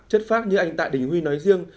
những người anh tạ đình huy nói riêng